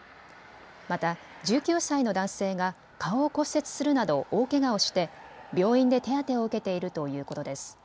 また、１９歳のの男性が顔を骨折するなど大けがをして病院で手当てを受けているということです。